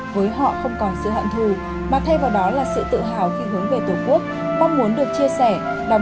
với họ không còn sự hận thù mà thay vào đó là sự tự hào khi hướng về tổ quốc mong muốn được chia sẻ đóng góp để xây dựng đất nước